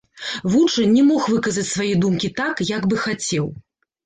Вучань не мог выказаць свае думкі так, як бы хацеў.